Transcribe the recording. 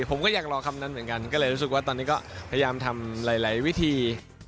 ผมก็อยากรอคำนั้นเหมือนกันก็เลยรู้สึกว่าตอนนี้ก็พยายามทำหลายวิธี